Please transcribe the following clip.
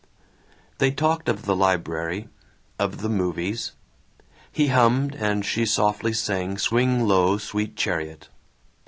They talked of the library, of the movies. He hummed and she softly sang "Swing Low, Sweet Chariot."